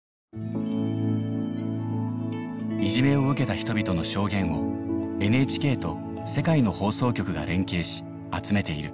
いじめを受けた人々の証言をＮＨＫと世界の放送局が連携し集めている。